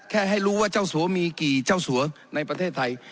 ให้รู้ว่าเจ้าสัวมีกี่เจ้าสัวในประเทศไทย